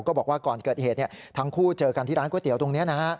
บอกว่าก่อนเกิดเหตุทั้งคู่เจอกันที่ร้านก๋วยเตี๋ยวตรงนี้นะฮะ